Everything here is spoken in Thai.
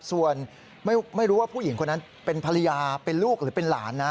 ส่วนไม่รู้ว่าผู้หญิงคนนั้นเป็นภรรยาเป็นลูกหรือเป็นหลานนะ